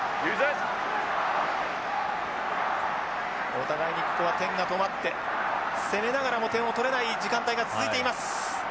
お互いにここは点が止まって攻めながらも点を取れない時間帯が続いています。